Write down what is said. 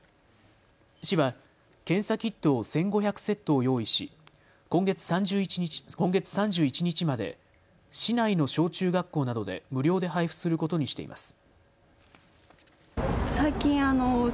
市は検査キットを１５００セットを用意し今月３１日まで市内の小中学校などで無料で配布することにしています。